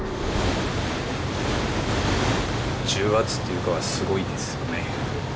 重圧というかはすごいですよね。